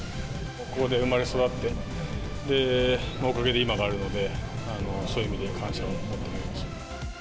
ここで生まれ育って、おかげで今があるので、そういう意味で感謝を持って投げました。